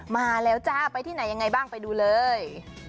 มาแล้วจ้าไปที่ไหนยังไงบ้างไปดูเลย